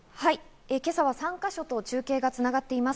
今朝は３か所と中継が繋がっています。